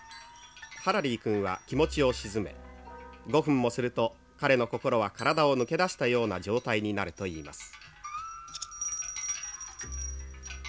ハラリー君は気持ちを静め５分もすると彼の心は体を抜け出したような状態になるといいます」。